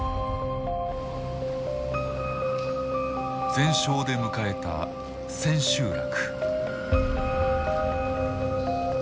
全勝で迎えた千秋楽。